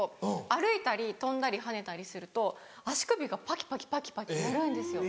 歩いたり跳んだり跳ねたりすると足首がパキパキパキパキ鳴るんですよ。